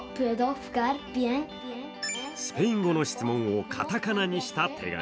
スペイン語の質問をカタカナにした手紙。